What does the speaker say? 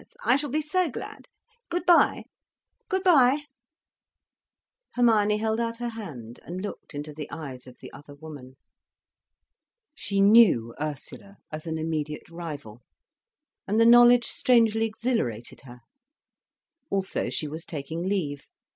I shall be so glad. Good bye! Good bye!" Hermione held out her hand and looked into the eyes of the other woman. She knew Ursula as an immediate rival, and the knowledge strangely exhilarated her. Also she was taking leave.